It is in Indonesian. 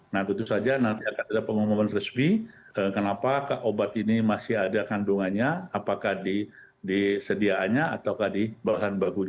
nah tentu saja nanti akan ada pengumuman resmi kenapa obat ini masih ada kandungannya apakah di sediaannya atau di bahan bakunya